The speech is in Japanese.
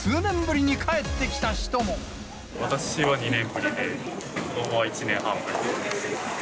私は２年ぶりで、子どもは１年半ぶり。